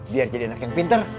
biar jadi anak yang pinter